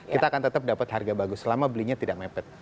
kita akan tetap dapat harga bagus selama belinya tidak mepet